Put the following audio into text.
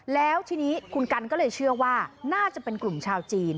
แล้วทีนี้คุณกันก็เลยเชื่อว่าน่าจะเป็นกลุ่มชาวจีน